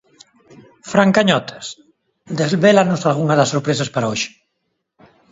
Fran Cañotas, desvélanos algunhas das sorpresas para hoxe!